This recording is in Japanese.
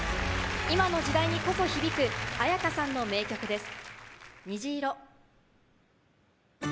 今の時代にこそ響く絢香さんの名曲です。